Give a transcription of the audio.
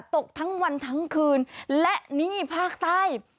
ตกทั้งวันทั้งคืนและนี่ภาคใต้